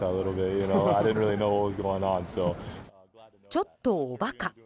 「ちょっとおバカ」